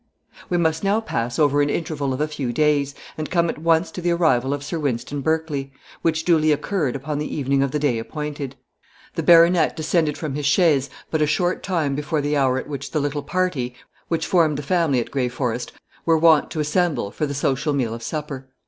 We must now pass over an interval of a few days, and come at once to the arrival of Sir Wynston Berkley, which duly occurred upon the evening of the day appointed. The baronet descended from his chaise but a short time before the hour at which the little party, which formed the family at Gray Forest were wont to assemble for the social meal of supper.